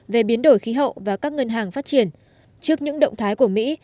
về biến đổi khí hậu và các ngân hàng phát triển trước những động thái của mỹ